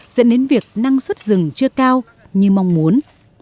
dẫn đến việc năng suất rừng chưa cao như mong muốn